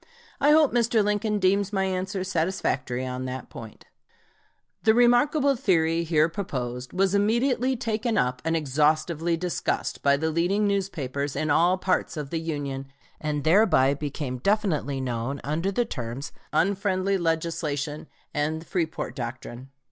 I hope Mr. Lincoln deems my answer satisfactory on that point. [Illustration: STEPHEN A. DOUGLAS.] The remarkable theory here proposed was immediately taken up and exhaustively discussed by the leading newspapers in all parts of the Union, and thereby became definitely known under the terms "unfriendly legislation" and "Freeport doctrine."